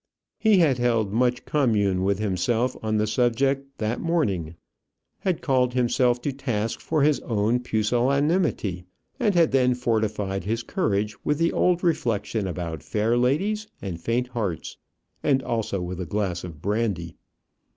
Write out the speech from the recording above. He had held much commune with himself on the subject that morning; had called himself to task for his own pusillanimity, and had then fortified his courage with the old reflection about fair ladies and faint hearts and also with a glass of brandy.